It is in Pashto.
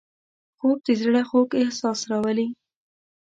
خوب د زړه خوږ احساس راولي